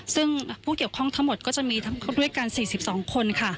ซึ่งผู้เกี่ยวข้องทั้งหมดก็จะมีด้วยกัน๔๒คนค่ะ